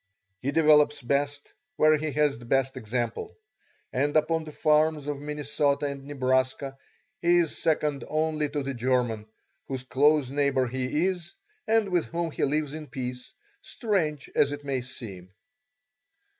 He develops best where he has the best example, and upon the farms of Minnesota and Nebraska he is second only to the German, whose close neighbour he is and with whom he lives in peace, strange as it may seem.